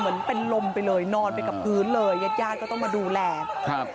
เหมือนเป็นลมไปเลยนอนไปกับพื้นเลยญาติญาติก็ต้องมาดูแลครับ